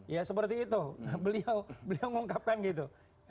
ya seperti itu beliau mengungkapkan gitu